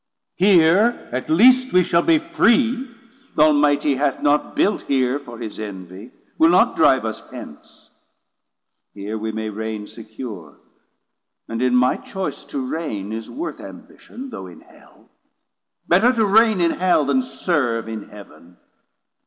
Here at least We shall be free; th' Almighty hath not built Here for his envy, will not drive us hence: 260 Here we may reign secure, and in my choyce To reign is worth ambition though in Hell: Better to reign in Hell, then serve in Heav'n.